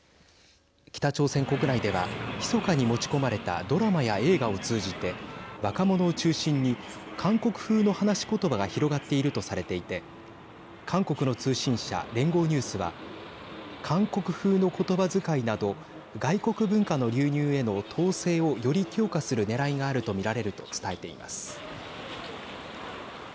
北朝鮮国内ではひそかに持ち込まれたドラマや映画を通じて若者を中心に韓国風の話し言葉が広がっているとされていて韓国の通信社、連合ニュースは韓国風の言葉遣いなど外国文化の流入への統制をより強化するねらいがあると見られると伝えています。